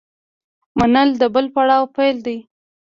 منل د بل پړاو پیل دی.